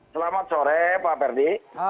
selamat sore pak ferdi